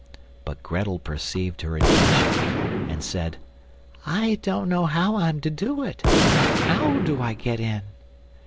But Grettel perceived her intention, and said: "I don't know how I'm to do it; how do I get in?"